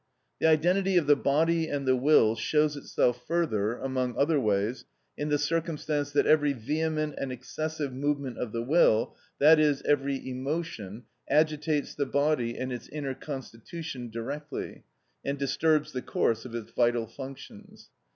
The identity of the body and the will shows itself further, among other ways, in the circumstance that every vehement and excessive movement of the will, i.e., every emotion, agitates the body and its inner constitution directly, and disturbs the course of its vital functions.